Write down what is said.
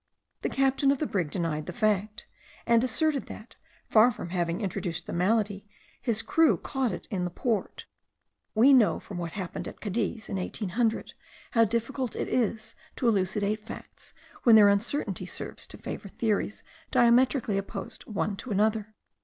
The captain of the brig denied the fact; and asserted that, far from having introduced the malady, his crew had caught it in the port. We know from what happened at Cadiz in 1800, how difficult it is to elucidate facts, when their uncertainty serves to favour theories diametrically opposite one to another.